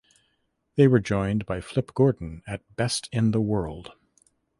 They were joined by Flip Gordon at Best in the World.